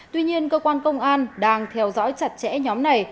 tuy nhiên cơ quan công an đang theo dõi chặt chẽ nhóm này